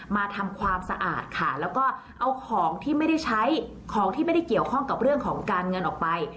มาทำความสะอาดค่ะแล้วก็เอาของที่ไม่ได้ใช้ของที่ไม่ได้เกี่ยวข้องกับเรื่องของการเงินออกไป